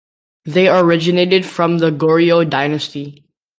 They originated from the Goryeo Dynasty.